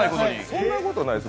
そんなことないです。